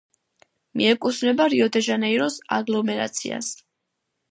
მიეკუთვნება რიო-დე-ჟანეიროს აგლომერაციას.